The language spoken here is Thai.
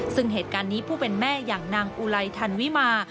ซึ่งเหตุการณ์นี้ผู้เป็นแม่อย่างนางอุไลทันวิมา